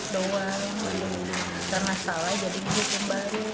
saya jual karena salah jadi bikin baru